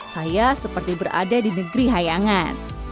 saya seperti berada di negeri hayangan